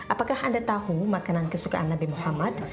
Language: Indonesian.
apakah anda tahu makanan kesukaan nabi muhammad